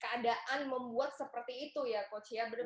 karena keadaan membuat seperti itu ya coach